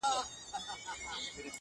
• په پردي کور کي ژوند په ضرور دی ,